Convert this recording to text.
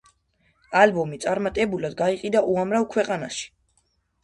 ალბომი წარმატებულად გაიყიდა უამრავ ქვეყანაში.